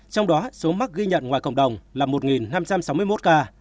trong đó số mắc ghi nhận ngoài cộng đồng là một năm trăm sáu mươi một ca